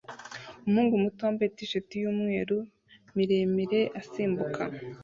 Umuhungu muto wambaye t-shirt yumweru miremire asimbuka